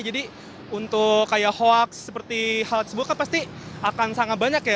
atau kayak hoax seperti hal hal sebuah kan pasti akan sangat banyak ya